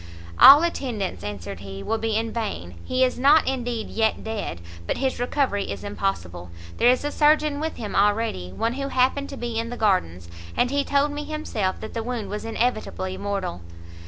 "All attendance," answered he, "will be in vain; he is not indeed, yet dead, but his recovery is impossible. There is a surgeon with him already; one who happened to be in the gardens, and he told me himself that the wound was inevitably mortal."